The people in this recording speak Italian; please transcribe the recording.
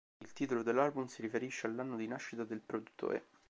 Il titolo dell'album si riferisce all'anno di nascita del produttore.